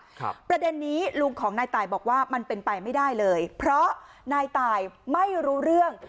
ประเด็นนี้ลุงของนายตายบอกว่ามันเป็นไปไม่ได้เลยเพราะนายตายไม่รู้เรื่อง